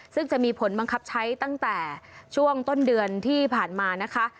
ซึ่งจะมีผลบังคับใช้ตั้งแต่ช่วงต้นเดือนที่ผ่านมานะคะ